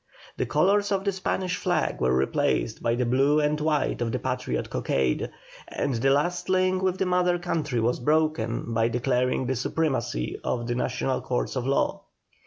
The colours of the Spanish flag were replaced by the blue and white of the Patriot cockade, and the last link with the mother country was broken by declaring the supremacy of the National Courts of Law.